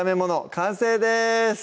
完成です